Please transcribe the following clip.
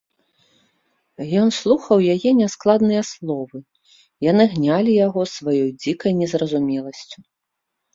Ён слухаў яе няскладныя словы, яны гнялі яго сваёй дзікай незразумеласцю.